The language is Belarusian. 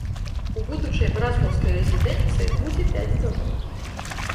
У будучай браслаўскай рэзідэнцыі будзе пяць дамоў.